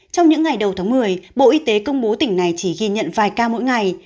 trong những ngày đầu tháng một mươi bộ y tế công bố tỉnh này chỉ ghi nhận vài ca mỗi ngày